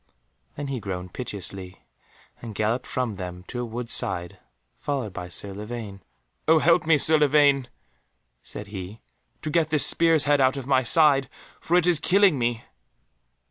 Then he groaned piteously, and galloped from them to a wood's side, followed by Sir Lavaine. "Oh help me, Sir Lavaine," said he, "to get this spear's head out of my side, for it is killing me."